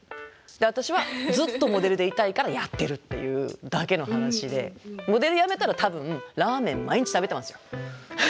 で私はずっとモデルでいたいからやってるっていうだけの話でモデルやめたら多分ラーメン毎日食べてますよ。